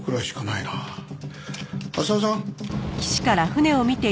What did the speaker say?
浅輪さん。